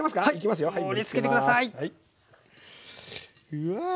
うわ！